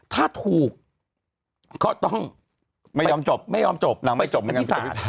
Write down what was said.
ถ้าถูกเขาต้องไม่ยอมจบไม่ยอมจบนางไม่จบกันที่สาร